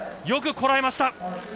よく、こらえました。